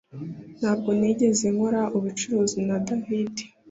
Ntabwo nigeze nkora ubucuruzi na David